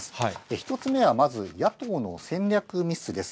１つ目はまず、野党の戦略ミスです。